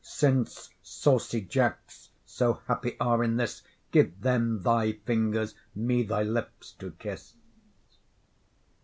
Since saucy jacks so happy are in this, Give them thy fingers, me thy lips to kiss.